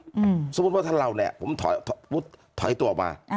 อืมสมมุติว่าท่านเราเนี้ยผมถอยถอยตัวออกมาอ่า